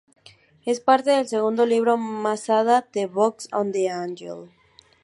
Es parte del segundo libro Masada, ""The Book of Angels"".